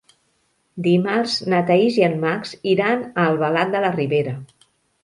Dimarts na Thaís i en Max iran a Albalat de la Ribera.